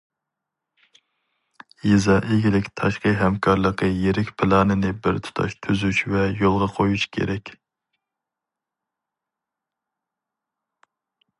يېزا ئىگىلىك تاشقى ھەمكارلىقى يىرىك پىلانىنى بىر تۇتاش تۈزۈش ۋە يولغا قويۇش كېرەك.